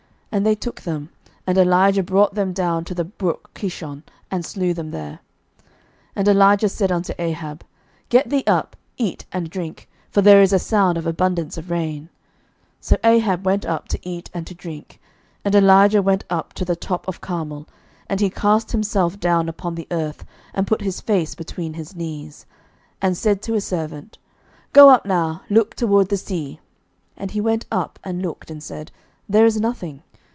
And they took them: and Elijah brought them down to the brook Kishon, and slew them there. 11:018:041 And Elijah said unto Ahab, Get thee up, eat and drink; for there is a sound of abundance of rain. 11:018:042 So Ahab went up to eat and to drink. And Elijah went up to the top of Carmel; and he cast himself down upon the earth, and put his face between his knees, 11:018:043 And said to his servant, Go up now, look toward the sea. And he went up, and looked, and said, There is nothing.